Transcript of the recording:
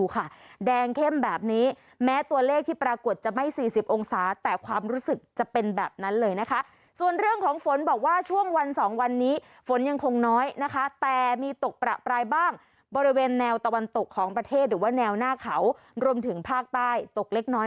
ของประเทศหรือว่าแนวหน้าเขารวมถึงภาคใต้ตกเล็กน้อย